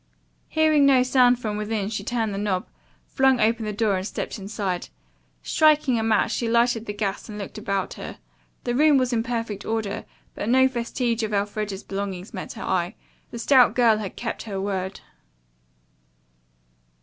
Hearing no sound from within she turned the knob, flung open the door and stepped inside. Striking a match, she lighted the gas and looked about her. The room was in perfect order, but no vestige of Elfreda's belongings met her eye. The stout girl had kept her word.